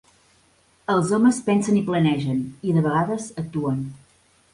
Els homes pensen i planegen, i de vegades actuen.